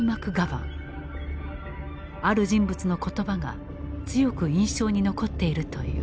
ある人物の言葉が強く印象に残っているという。